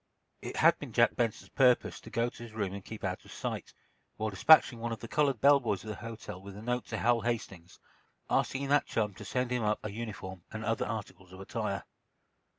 It had been Jack Benson's purpose to go to his room and keep out of sight, while despatching one of the colored bell boys of the hotel with a note to Hal Hastings, asking that chum to send him up a uniform and other articles of attire.